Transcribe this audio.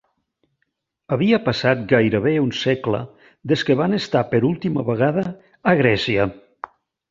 Havia passat gairebé un segle des que van estar per última vegada a Grècia.